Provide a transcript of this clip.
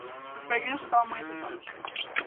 Os peregrinos estaban moi asustados.